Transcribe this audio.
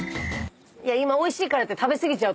今おいしいからって。